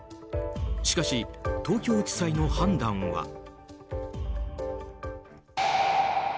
しかし、東京地裁の判断は。